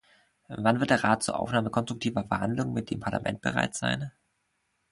Wann wird der Rat zur Aufnahme konstruktiver Verhandlungen mit dem Parlament bereit sein?